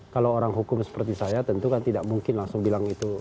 kalau orang hukum seperti saya tentu kan tidak mungkin langsung bilang itu